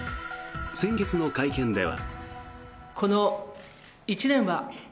先月の会見では。